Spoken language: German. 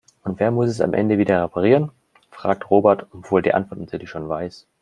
Und wer muss es am Ende wieder reparieren?, fragt Robert, obwohl er die Antwort natürlich schon weiß.